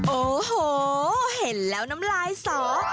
โอ้โหเห็นแล้วน้ำลายสอ